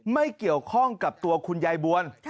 ไม่เกี่ยวข้องกับตัวคุณยายบวล